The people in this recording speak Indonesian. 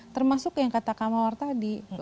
termasuk yang kata kamal war tadi